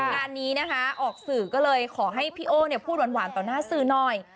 งานนี้นะคะออกสื่อก็เลยขอให้พี่โอ้พูดหวานต่อหน้าสื่อหน่อย